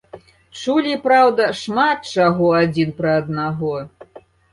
Чулі, праўда, шмат чаго адзін пра аднаго.